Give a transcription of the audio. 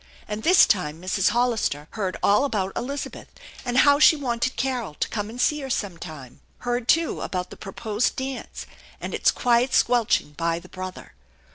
And this time Mrs. Hollister heard all about Elizabeth and how she wanted Carol to come and see her sometime. Heard, too, about the proposed dance, and its quiet squelching by the brother.